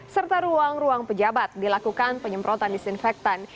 serta ruang ruang pejabat dilakukan penyemprotan disinfektan